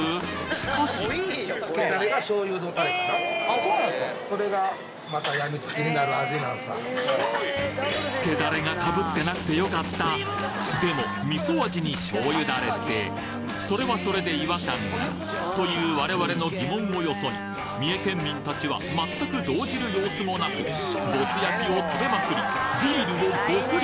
しかしつけダレが被ってなくて良かったでも味噌味に醤油ダレってそれはそれで違和感がという我々の疑問をよそに三重県民達はまったく動じる様子もなくぼつ焼を食べまくりビールをゴクリ